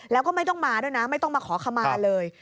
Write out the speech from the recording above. แล้วก็ไม่ต้องมาด้วยนะไม่ต้องมาขอขมาเลย